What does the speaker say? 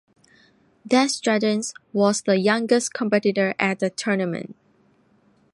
Desjardins was the youngest competitor at the tournament.